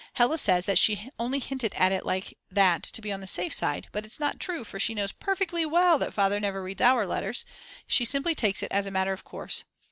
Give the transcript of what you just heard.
Hella says that she only hinted at it like that to be on the safe side. But it's not true, for she knows perfectly well that Father never reads our letters. She simply takes it as a matter of course.